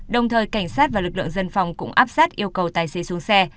đồng thời cảnh sát và lực lượng dân phòng cũng áp sát yêu cầu tài xế xuống xe